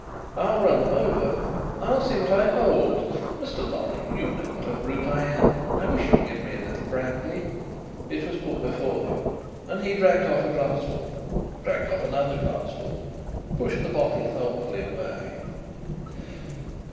"I'll run them over. I'll see what I hold, Mr. Lorry, you know what a brute I am; I wish you'd give me a little brandy." It was put before him, and he drank off a glassful drank off another glassful pushed the bottle thoughtfully away.